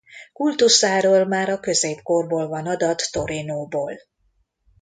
Kultuszáról már a középkorból van adat Torinóból.